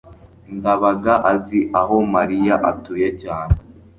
ndabaga azi aho mariya atuye cyane